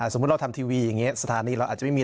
สมมุติเราทำทีวีอย่างนี้สถานีเราอาจจะไม่มี